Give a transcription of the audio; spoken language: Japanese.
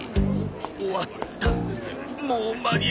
終わったもう間に合わない。